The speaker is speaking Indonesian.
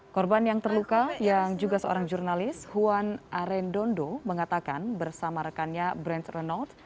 korban yang terluka yang juga seorang jurnalis juan arendondo mengatakan bersama rekannya brent reynolds